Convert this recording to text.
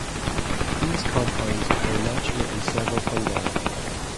These compounds occur naturally in several fungi.